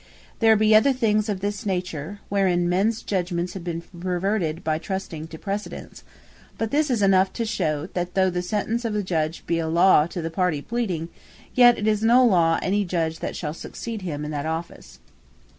There be other things of this nature, wherein mens Judgements have been perverted, by trusting to Precedents: but this is enough to shew, that though the Sentence of the Judge, be a Law to the party pleading, yet it is no Law to any Judge, that shall succeed him in that Office.